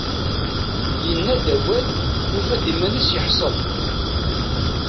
Yenna-d awal, yufa-d iman-is iḥṣel.